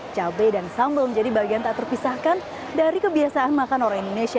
cabai dan sambal menjadi bagian tak terpisahkan dari kebiasaan makan orang indonesia